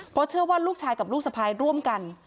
เพราะเชื่อว่าลูกชายกับลูกสะพายร่วมกัน